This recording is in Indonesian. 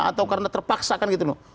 atau karena terpaksa kan gitu loh